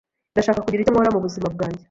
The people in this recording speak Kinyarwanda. Ndashaka kugira icyo nkora mubuzima bwanjye.